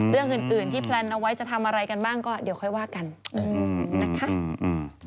เรื่องอื่นอื่นที่แพลนเอาไว้จะทำอะไรกันบ้างก็เดี๋ยวค่อยว่ากันอืมนะคะอืม